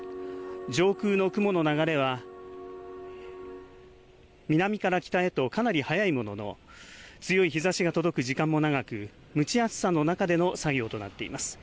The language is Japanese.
上空の雲の流れは南から北へとかなり速いものの、強い日ざしが届く時間も長く、蒸し暑さの中での作業となっています。